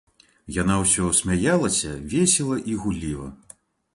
Яна ўсё смяялася, весела і гулліва.